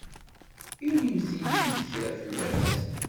Inimt-yi-d kra fell-as.